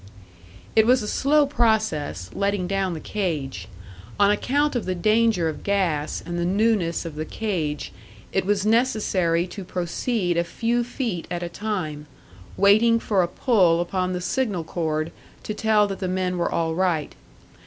It was a slow process, letting down the cage; on account of the danger of gas, and the newness of the cage, it was necessary to proceed a few feet at a time, waiting for a pull upon the signal cord to tell that the men were all right.